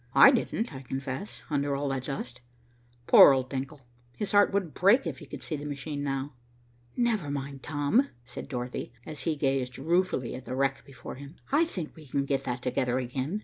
I didn't, I confess, under all that dust. Poor old Denckel, his heart would break if he could see the machine now." "Never mind, Tom," said Dorothy, as he gazed ruefully at the wreck before him. "I think we can get that together again.